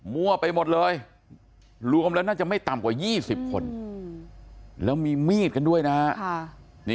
วั่วไปหมดเลยรวมแล้วน่าจะไม่ต่ำกว่า๒๐คนแล้วมีมีดกันด้วยนะฮะ